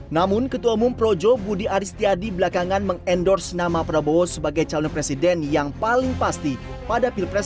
namun ketua umum projo budi aris tiadi belakangan mengendorse nama prabowo sebagai calon presiden yang paling pasti pada pilpres dua ribu dua puluh empat mendatang